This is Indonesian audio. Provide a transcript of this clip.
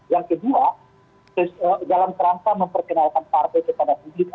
yang kedua dalam kerangka memperkenalkan partai kepada publik